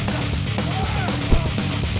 bang harus kuat bang